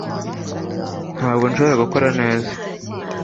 Ntabwo nshobora gukora neza